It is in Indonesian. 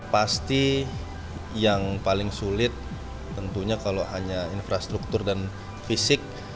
pasti yang paling sulit tentunya kalau hanya infrastruktur dan fisik